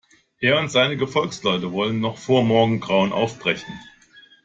Er und seine Gefolgsleute wollen noch vor Morgengrauen aufbrechen.